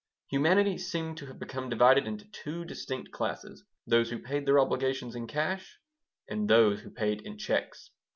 Humanity seemed to have become divided into two distinct classes those who paid their obligations in cash and those who paid them in checks.